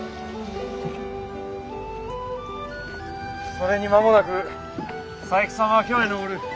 それに間もなく佐伯さんは京へ上る。